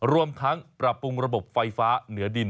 รวมทั้งปรับปรุงระบบไฟฟ้าเหนือดิน